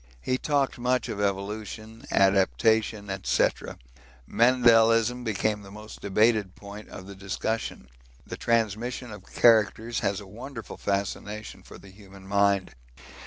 He talked much of evolution, adaptation, &c. Mendelism became the most debated point of the discussion; the transmission of characters has a wonderful fascination for the human mind.